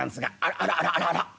あらあらあらあら。